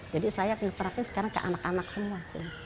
jadi saya pengen perhatiin sekarang ke anak anak semua